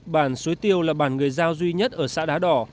bản suối tiêu là bản người giao duy nhất ở xã đá đỏ